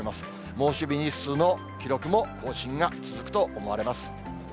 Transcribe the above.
猛暑日日数の記録も更新が続くと思われます。